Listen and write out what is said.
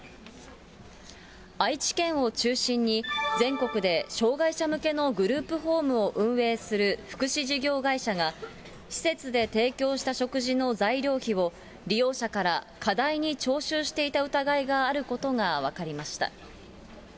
愛知県を中心に、全国で障がい者向けのグループホームを運営する福祉事業会社が施設で提供した食事の材料費を利用者から過大に徴収していた疑いがあることが分かりました。